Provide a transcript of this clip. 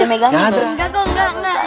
ada yang megang